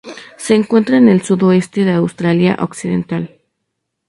Se encuentra en el sudoeste de Australia Occidental.